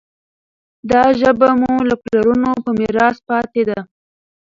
دا ژبه مو له پلرونو په میراث پاتې ده.